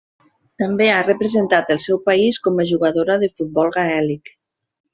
També ha representat el seu país com a jugadora de futbol gaèlic.